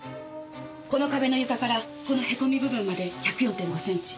この壁の床からこの凹み部分まで１０４．５センチ。